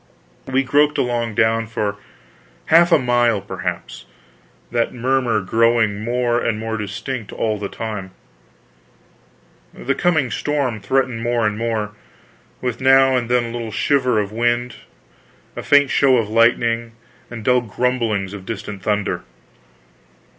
We groped along down for half a mile, perhaps, that murmur growing more and more distinct all the time. The coming storm threatening more and more, with now and then a little shiver of wind, a faint show of lightning, and dull grumblings of distant thunder.